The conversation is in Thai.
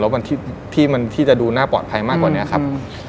แล้วที่จะดูหน้าปลอดภัยมากกว่านี้นะครับ